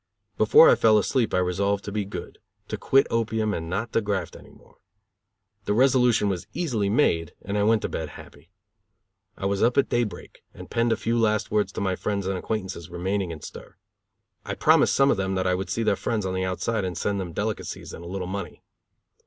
Before I fell asleep I resolved to be good, to quit opium and not to graft any more. The resolution was easily made and I went to bed happy. I was up at day break and penned a few last words to my friends and acquaintances remaining in stir. I promised some of them that I would see their friends on the outside and send them delicacies and a little money.